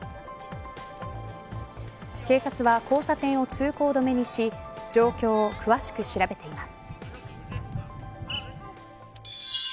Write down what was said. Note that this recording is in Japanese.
警察は交差点を通行止めにし状況を詳しく調べています。